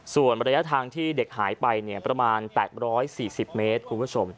ส่วนระยะทางที่เด็กหายไปประมาณ๘๔๐เมตรคุณผู้ชม